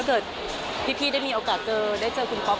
ถ้าเจอพี่และที่พี่มีโอกาสเจอคุณพบ